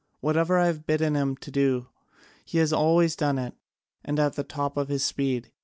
Whatever I have bidden him do, he has always done it, and at the top of his speed.